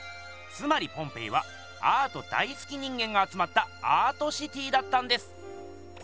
つまりポンペイはアート大すき人間があつまったアートシティーだったんです！